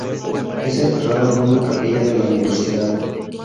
Es enterrado en una capilla de la Universidad.